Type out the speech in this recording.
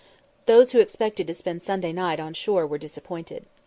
Those who expected to spend Sunday night on shore were disappointed.